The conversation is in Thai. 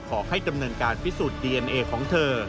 ขอให้ดำเนินการพิสูจน์ดีเอ็นเอของเธอ